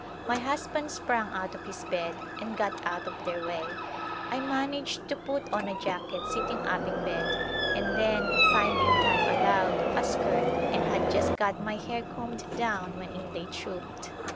My husband sprang out of his bed and got out of their way. I managed to put on a jacket sitting up in bed, and then, finding time allowed, a skirt, and had just got my hair combed down when in they trooped.